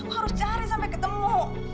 aku harus cari sampe ketemu